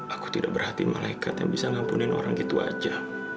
aku tidak berhati malaikat yang bisa ngampun orang gitu aja